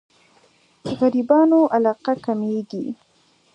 غريبانو علاقه کمېږي.